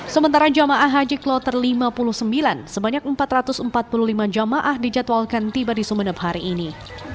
sementara jamaah haji kloter lima puluh sembilan sebanyak empat ratus empat puluh lima jamaah dijadwalkan tiba di sumeneb hari ini